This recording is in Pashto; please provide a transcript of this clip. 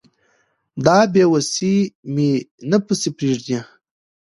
دا بې وسي مي نه پسې پرېږدي